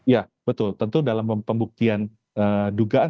ya betul tentu dalam pembuktian dugaan